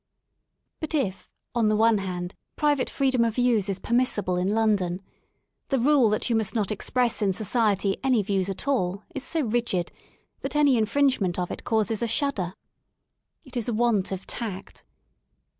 But if, on the one hand, private freedom of views is permissible in London, the rule that you must not ex press in Society any views at all is so rigid, that any infringement of it causes a shudden It is a want of 113 1 THE SOUL OF LONDON tact.